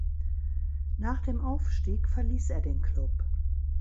Nach dem Aufstieg verließ er den Klub.